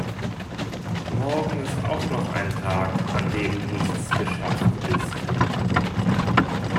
Morgen ist auch noch ein Tag an dem nichts geschafft ist.